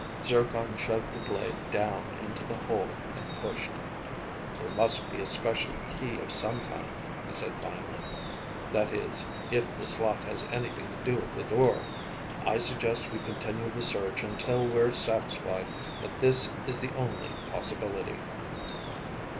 Zircon shoved the blade down into the hole and pushed. "There must be a special key of some kind," he said finally. "That is, if the slot has anything to do with the door. I suggest we continue the search until we're satisfied that this is the only possibility."